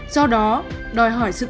do đó đòi hỏi sự kiểm soát